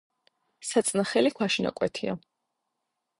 საწნახელი ქვაში ნაკვეთია.